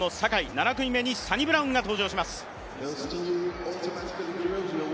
７組目にサニブラウンが登場します。